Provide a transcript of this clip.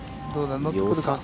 乗って来るか。